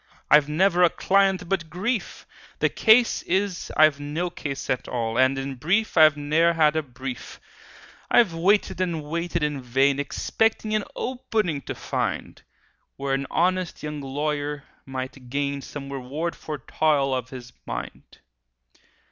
I've never a client but grief: The case is, I've no case at all, And in brief, I've ne'er had a brief! "I've waited and waited in vain, Expecting an 'opening' to find, Where an honest young lawyer might gain Some reward for toil of his mind.